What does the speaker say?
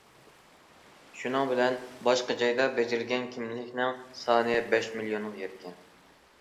شۇنىڭ بىلەن، باشقا جايدا بېجىرىلگەن كىملىكنىڭ سانى بەش مىليونغا يەتكەن.